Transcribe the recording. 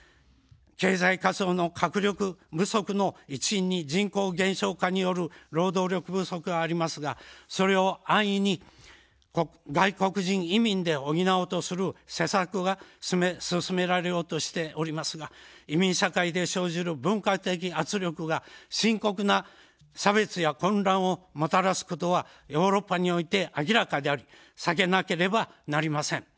経済活動の活力不足の一因に人口減少化による労働力不足がありますが、それを安易に外国人移民で補おうとする施策が進められようとしておりますが、移民社会で生じる文化的圧力が深刻な差別や混乱をもたらすことはヨーロッパにおいて明らかであり避けなければなりません。